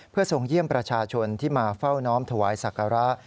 เพื่อทรงเยี่ยมประชาชนที่มาเฝ้าน้อมถวายศักระ